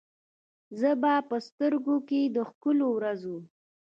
زه به په سترګو کې، د ښکلو ورځو،